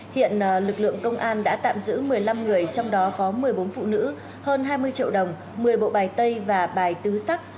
hiện lực lượng công an đã tạm giữ một mươi năm người trong đó có một mươi bốn phụ nữ hơn hai mươi triệu đồng một mươi bộ bài tay và bài tứ sắc